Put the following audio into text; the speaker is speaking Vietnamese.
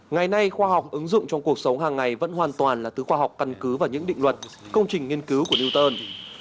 ngày nay khoa học ứng dụng trong cuộc sống hàng ngày vẫn hoàn toàn là thứ khoa học căn cứ vào những định luật công trình nghiên cứu của newton